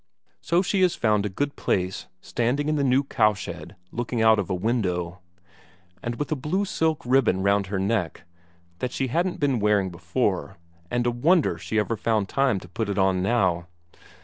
So she has found a good place, standing in the new cowshed, looking out of a window. And with a blue silk ribbon round her neck, that she hadn't been wearing before, and a wonder she ever found time to put it on now.